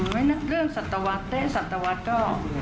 ไม่นะเรื่องสัตวัสดิ์เต๊ะสัตวัสดิ์ก็